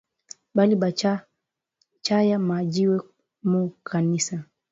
Bali ba chaya ma jiwe mu kanisa